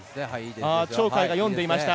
鳥海が読んでいました。